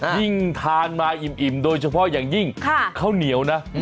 ยิ่งทานมาอิ่มโดยเฉพาะอย่างยิ่งข้าวเหนียวนะ